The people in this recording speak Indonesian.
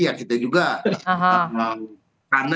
ya kita juga tetap mau